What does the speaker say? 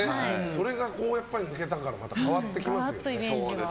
それが抜けたから変わってきますよね。